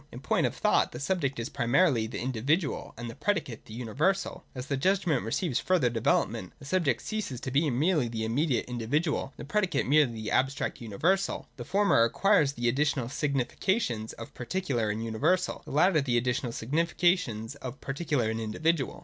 In point of thought, the subject is primarily the in dividual, and the predicate the universal. As the judgment receives further development, the subject ceases to be merely the immediate individual, and the predicate merely the abstract universal : the former acquires the additional significations of particular and universal, — the latter the additional significations of particular and individual.